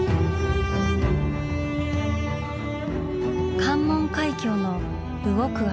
関門海峡の動く青。